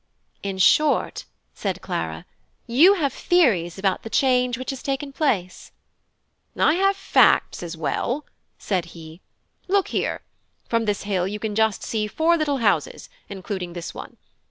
"In short," said Clara, "you have theories about the change which has taken place." "I have facts as well," said he. "Look here! from this hill you can see just four little houses, including this one.